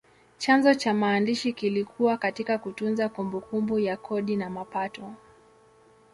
Chanzo cha maandishi kilikuwa katika kutunza kumbukumbu ya kodi na mapato.